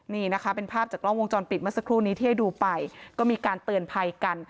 นี่นะคะเป็นภาพจากกล้องวงจรปิดเมื่อสักครู่นี้ที่ให้ดูไปก็มีการเตือนภัยกัน